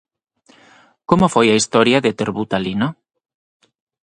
Como foi a historia de Terbutalina?